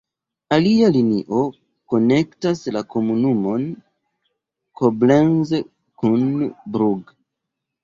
Alia linio konektas la komunumon Koblenz kun Brugg.